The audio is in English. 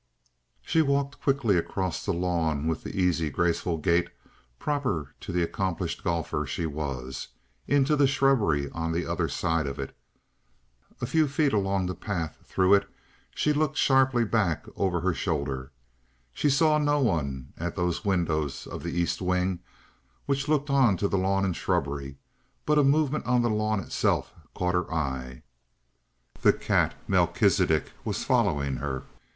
She walked quickly across the lawn with the easy, graceful gait proper to the accomplished golfer she was, into the shrubbery on the other side of it. A few feet along the path through it she looked sharply back over her shoulder. She saw no one at those windows of the East wing which looked on to the lawn and shrubbery, but a movement on the lawn itself caught her eye. The cat Melchisidec was following her.